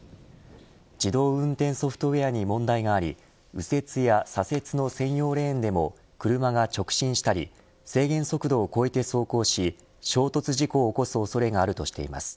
自動運転ソフトウエアに問題があり、右折や左折の専用レーンでも車が直進したり制限速度を超えて走行し衝突事故を起こす恐れがあるとしています。